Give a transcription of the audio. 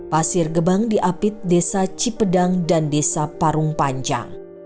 pasir gebang diapit desa cipedang dan desa parung panjang